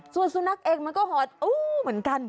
ส่วนสุนัขเองมันก็หอดอู้เหมือนกัน